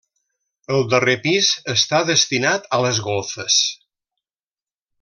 El darrer pis està destinat a les golfes.